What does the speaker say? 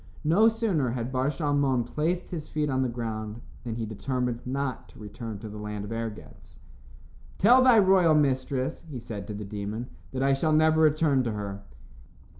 No sooner had Bar Shalmon placed his feet on the ground than he determined not to return to the land of Ergetz. "Tell thy royal mistress," he said to the demon, "that I shall never return to her."